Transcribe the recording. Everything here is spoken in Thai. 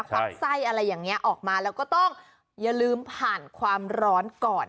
ความไส้อะไรอย่างนี้ออกมาแล้วก็ต้องอย่าลืมผ่านความร้อนก่อน